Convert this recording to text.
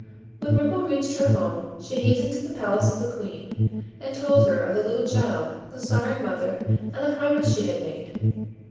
When Ripple reached her home, she hastened to the palace of the Queen, and told her of the little child, the sorrowing mother, and the promise she had made.